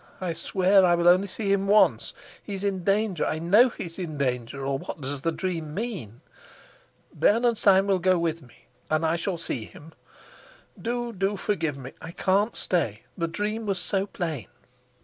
I swear that I will only see him once. He's in danger I know he's in danger; or what does the dream mean? Bernenstein will go with me, and I shall see him. Do, do forgive me: I can't stay, the dream was so plain."